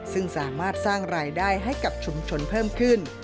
ซึ่งสามารถสร้างรายได้ให้กับชุมชนเพิ่มขึ้น